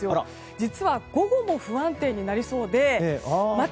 実は、午後も不安定になりそうでまた